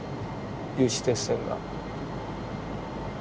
有刺鉄線が上は。